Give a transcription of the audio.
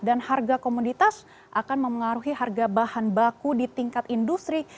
dan harga komoditas akan memengaruhi harga bahan baku di tingkat industri